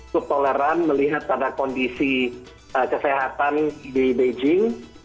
subtoleran melihat pada kondisi kesehatan di beijing